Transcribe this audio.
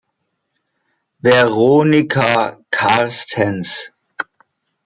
Veronika Carstens